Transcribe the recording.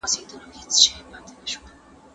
که انلاین زده کړه وي، نو شتون متغیر وي.